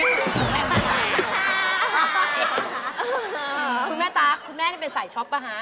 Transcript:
คุณแม่ตั๊กคุณแม่นี่เป็นสายช็อปป่ะฮะ